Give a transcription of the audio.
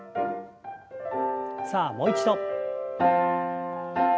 さあもう一度。